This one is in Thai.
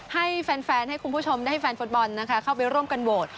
ให้แฟนให้คุณผู้ชมได้ให้แฟนฟุตบอลนะคะเข้าไปร่วมกันโหวต